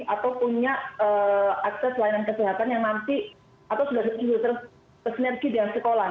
atau punya aksen layan khas yang nanti atau bisa mentioned pesenergi di sekolah